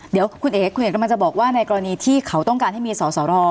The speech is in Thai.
เดี๋ยวคุณเอกมันจะบอกว่าในกรณีที่เขาต้องการให้มีสหรอ